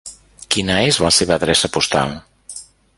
Quina és la seva adreça postal?